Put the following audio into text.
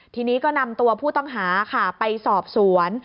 ทีนี้ก็นำตัวผู้ต้องหาค่ะไปสอบสวน